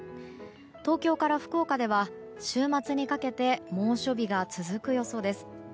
東京から福岡では週末にかけて猛暑日が続く予想です。